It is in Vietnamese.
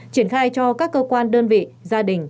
triển khai cho các cơ quan đơn vị gia đình